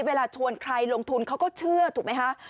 เวลาชวนใครลงทุนเขาก็เชื่อถูกไหมคะ